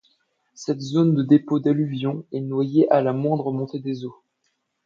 Cette zone de dépôt d'alluvions, est noyée à la moindre montée des eaux.